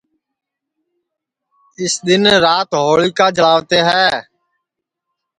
اُسی دؔن رات ہوݪیکا جݪاوتے ہے